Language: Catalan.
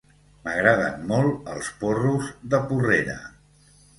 M'agraden molt els porros de Porrera.